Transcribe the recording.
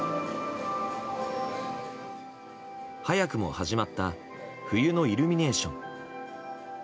早くも始まった冬のイルミネーション。